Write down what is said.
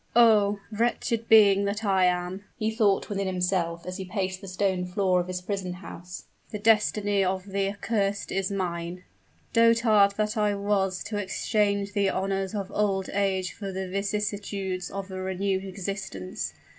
"Oh! wretched being that I am!" he thought within himself, as he paced the stone floor of his prison house; "the destiny of the accursed is mine! Ah! fool dotard that I was to exchange the honors of old age for the vicissitudes of a renewed existence!